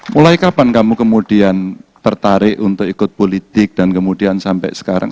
mulai kapan kamu kemudian tertarik untuk ikut politik dan kemudian sampai sekarang